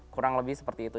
kurang lebih seperti itu